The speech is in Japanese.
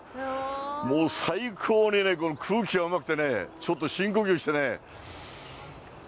もう最高にね、空気がうまくてね、ちょっと深呼吸してね。